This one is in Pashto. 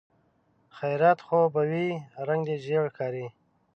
خيرت خو به وي؟ رنګ دې ژېړ ښکاري.